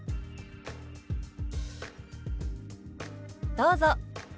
どうぞ。